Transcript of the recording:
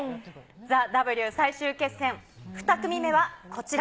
ＴＨＥＷ最終決戦、２組目はこちら。